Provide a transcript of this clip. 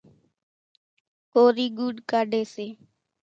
ڪورِي ڳوُڏ ڪاڍيَ سي۔